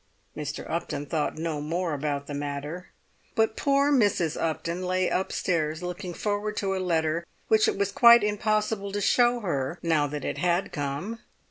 Mr. Upton thought no more about the matter. But poor Mrs. Upton lay upstairs looking forward to a letter which it was quite impossible to show her now that it had come.